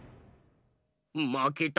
まけた。